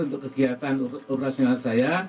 untuk kegiatan operasional saya